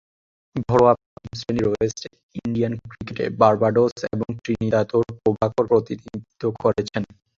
ঘরোয়া প্রথম-শ্রেণীর West Indian ক্রিকেটে বার্বাডোস এবং ত্রিনিদাদ ও টোবাগোর প্রতিনিধিত্ব করেছেন।